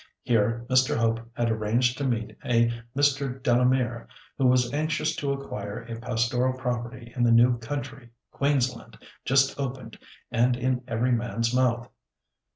Here Mr. Hope had arranged to meet a Mr. Delamere, who was anxious to acquire a pastoral property in the new country, Queensland, just opened and in every man's mouth.